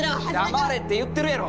黙れって言ってるやろ！